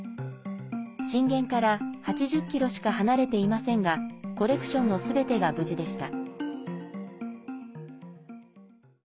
震源から８０ｋｍしか離れていませんがコレクションのすべてが無事でした。